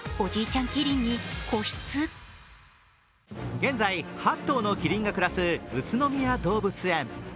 現在８頭のキリンが暮らす宇都宮動物園。